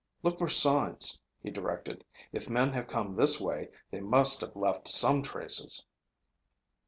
"Look for signs," he directed. "If men have come this way, they must have left some traces."